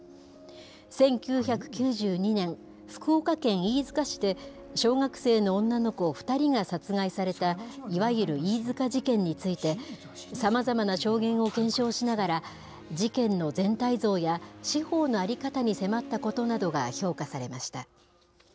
１９９２年、福岡県飯塚市で、小学生の女の子２人が殺害された、いわゆる飯塚事件について、さまざまな証言を検証しながら、事件の全体像や、司法の在り方に迫ったことなどが評価されました。